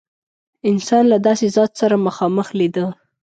انسان له داسې ذات سره مخامخ لیده.